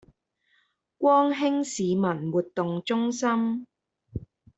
光興市民活動中心